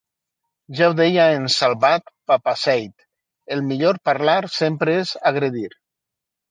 Ja ho deia en Salvat-Papasseit; el millor parlar sempre és agre-dir.